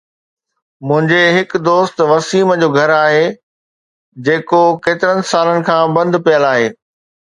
منهنجي هڪ دوست وسيم جو گهر آهي، جيڪو ڪيترن سالن کان بند پيل آهي.